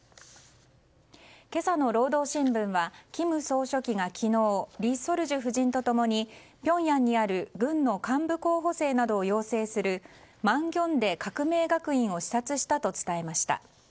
今朝の労働新聞は金総書記が昨日リ・ソルジュ夫人と共にピョンヤンにある軍の幹部候補生などを養成するマンギョンデ革命学院を視察したと伝えました。